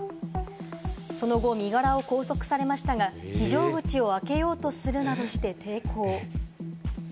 その後、身柄を拘束されましたが、非常口を開けようとするなどして抵抗。